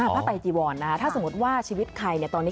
ผ้าไตจีวอนนะครับถ้าสมมุติว่าชีวิตใครตอนนี้